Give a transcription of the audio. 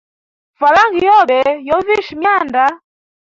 Falanga yobe yo visha myanda.